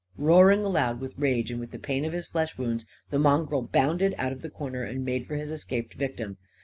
Roaring aloud with rage and with the pain of his flesh wounds, the mongrel bounded out of the corner and made for his escaped victim.